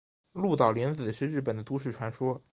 鹿岛零子是日本的都市传说。